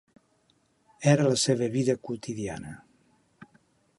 Era la seva vida quotidiana.